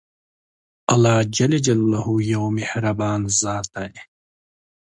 الله يو مهربان ذات دی.